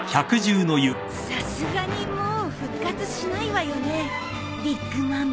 さすがにもう復活しないわよねビッグ・マム。